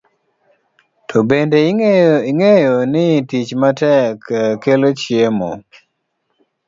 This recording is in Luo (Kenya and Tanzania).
To bende ing'eyo ni tich matek kelo chiemo?